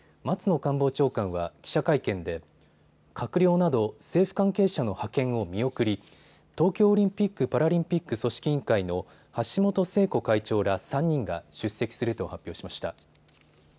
官房長官は記者会見で閣僚など政府関係者の派遣を見送り東京オリンピック・パラリンピック組織委員会の橋本聖子会長ら３人が出席すると発表しました。